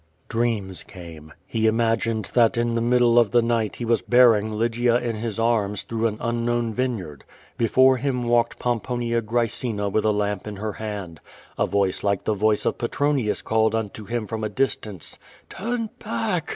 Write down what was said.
Dreams came. lie imagined that in llie middle of the night he was bearing Lygia in his arms through an unknown vineyard. Before him walked Pomponia Graccina with a lamp in her hand. A voice like the voice of Potronius called unto him from a distance: Turn back!"